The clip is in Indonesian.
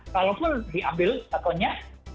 kalaupun diambil akunnya